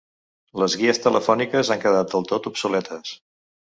Les guies telefòniques han quedat del tot obsoletes.